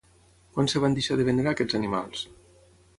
Quan es van deixar de venerar aquests animals?